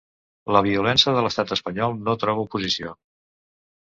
La violència de l'estat espanyol no troba oposició